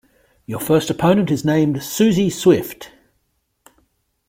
Your first opponent is named "Suzi Swift".